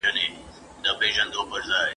نور به نه ملوک سم نه د اوسپني څپلۍ لرم !.